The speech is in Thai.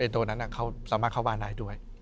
ตัวนั้นเขาสามารถเข้าบ้านได้ด้วย